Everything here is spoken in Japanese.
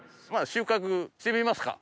収穫してみますか。